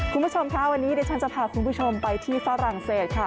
คุณผู้ชมค่ะวันนี้เดี๋ยวฉันจะพาคุณผู้ชมไปที่ฝรั่งเศสค่ะ